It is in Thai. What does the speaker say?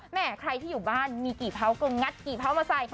แม่ใครที่อยู่บ้านมีกี่เผาก็งัดกี่เผามาใส่